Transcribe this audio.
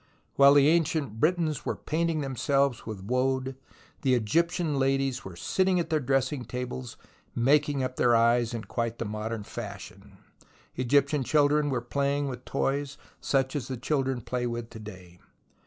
While the THE ROMANCE OF EXCAVATION 103 Ancient Britons were painting themselves with woad, the Egyptian ladies were sitting at their dressing tables making up their eyes in quite the modern fashion, the Egyptian children were playing with toys such as the children play with to day.